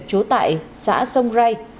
trú tại xã sông ray